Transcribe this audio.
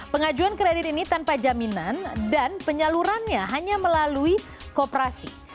pengajuan kredit ini tanpa jaminan dan penyalurannya hanya melalui kooperasi